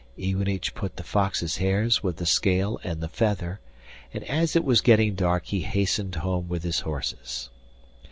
Iwanich put the fox's hairs with the scale and the feather, and as it was getting dark he hastened home with his horses.